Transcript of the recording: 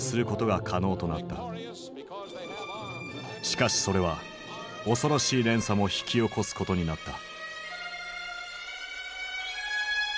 しかしそれは恐ろしい連鎖も引き起こすことになった。